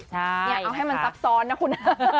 ใช่เอาให้มันซับซ้อนนะคุณ